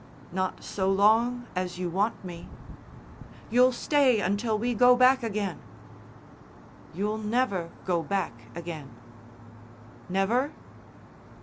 "Not so long as you want me." "You'll stay until we go back again!" "You'll never go back again." "Never?"